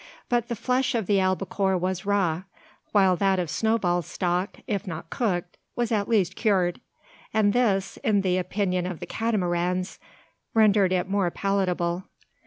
But the flesh of the albacore was raw; while that of Snowball's stock, if not cooked, was at least cured; and this, in the opinion of the Catamarans, rendered it more palatable.